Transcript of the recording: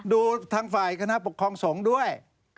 ดูทางฝ่ายคณะปกครองสงฆ์ด้วย